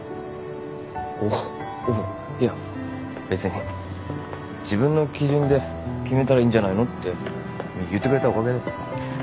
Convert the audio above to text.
おっおういや別に「自分の基準で決めたらいいんじゃないの？」って言ってくれたおかげだよ。